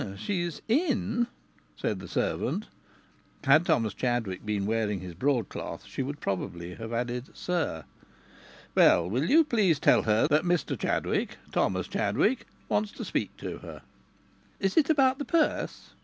"She's in," said the servant. Had Thomas Chadwick been wearing his broadcloth she would probably have added "sir." "Well, will you please tell her that Mr Chadwick Thomas Chadwick wants to speak to her?" "Is it about the purse?"